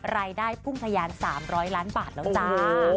รายได้พุ่งทะยาน๓๐๐ล้านบาทแล้วจ้า